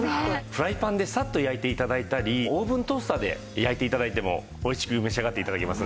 フライパンでサッと焼いて頂いたりオーブントースターで焼いて頂いてもおいしく召し上がって頂けます。